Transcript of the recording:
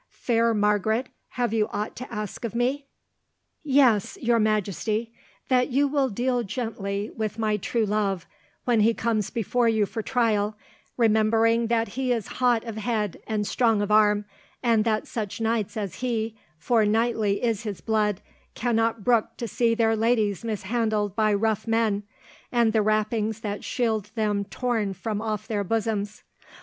Fair Margaret, have you aught to ask of me?" "Yes, your Majesty—that you will deal gently with my true love when he comes before you for trial, remembering that he is hot of head and strong of arm, and that such knights as he—for knightly is his blood— cannot brook to see their ladies mishandled by rough men, and the wrappings that shield them torn from off their bosoms.